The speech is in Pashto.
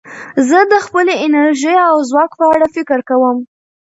زه د خپلې انرژۍ او ځواک په اړه فکر کوم.